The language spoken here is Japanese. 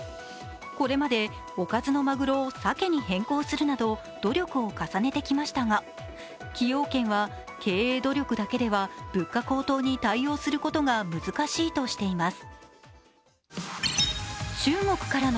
これまでおかずのまぐろをさけに変更するなど努力を重ねてきましたが崎陽軒は経営努力だけでは物価高騰に対応することが難しいとしています。